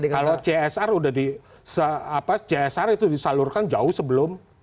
kalau csr itu disalurkan jauh sebelum